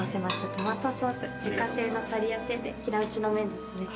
トマトソース自家製のタリアテッレ平打ちの麺ですね。